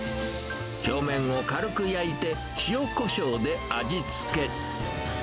表面を軽く焼いて、塩こしょうで味付け。